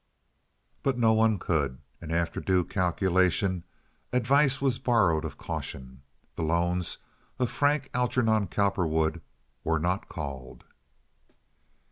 But no one could, and after due calculation advice was borrowed of caution. The loans of Frank Algernon Cowperwood were not called.